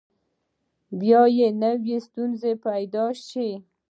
بیا به نوي ستونزې پیدا شي.